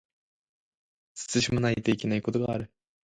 慎まないといけないことがある